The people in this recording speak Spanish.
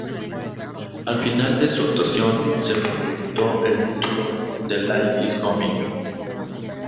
Al final de su actuación, se proyectó el título "The Light Is Coming".